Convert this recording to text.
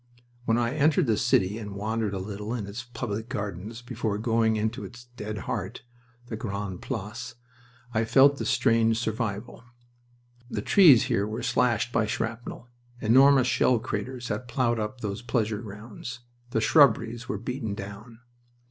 When I entered the city and wandered a little in its public gardens before going into its dead heart the Grande Place I felt the strange survival. The trees here were slashed by shrapnel. Enormous shell craters had plowed up those pleasure grounds. The shrubberies were beaten down.